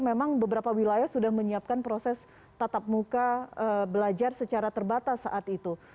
memang beberapa wilayah sudah menyiapkan proses tatap muka belajar secara terbatas saat itu